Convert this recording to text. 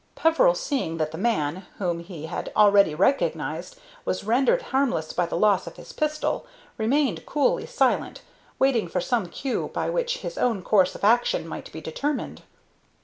Peveril, seeing that the man, whom he had already recognized, was rendered harmless by the loss of his pistol, remained coolly silent, waiting for some cue by which his own course of action might be determined.